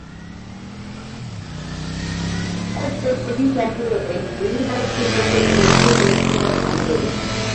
At a steady sample rate, digital synthesis produces a stream of numbers.